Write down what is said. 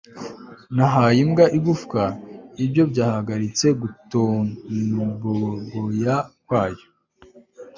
Nahaye imbwa igufwa Ibyo byahagaritse gutonboboa kwayo